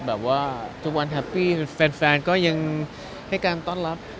แบบว่าทุกวันแฮปปี้แฟนก็ยังให้การต้อนรับ